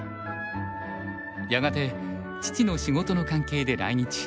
やがて父の仕事の関係で来日。